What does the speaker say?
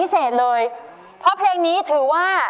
ช่วยฝังดินหรือกว่า